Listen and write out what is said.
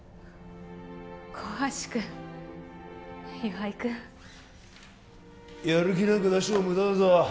小橋君岩井君やる気なんか出しても無駄だぞ